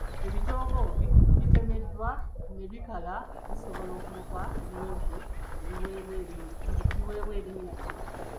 Ebitoogo ebitemeddwa ne bikala bisobole okuluka ebiwempe biweebwa linnya ki?